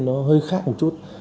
nó hơi khác một chút